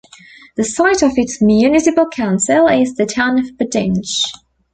The site of its municipal council is the town of Buddinge.